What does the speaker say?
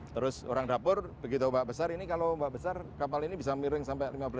terus orang dapur begitu ombak besar ini kalau ombak besar kapal ini bisa miring sampai lima belas